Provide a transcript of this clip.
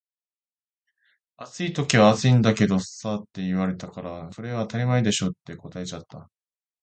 「暑い時は暑いんだけどさ」って言われたから「それ当たり前でしょ」って答えちゃった